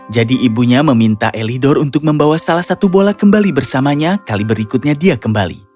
jadi ibunya meminta elidor untuk membawa salah satu bola kembali bersamanya kali berikutnya dia kembali